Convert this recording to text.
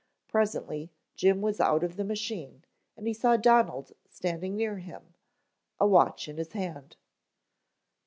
Presently Jim was out of the machine and he saw Donald standing near him, a watch in his hand.